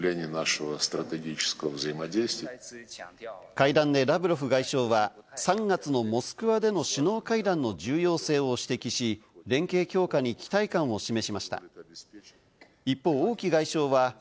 会談でラブロフ外相は３月のモスクワでの首脳会談の重要性を指摘し、連携強化に期待感を示しました。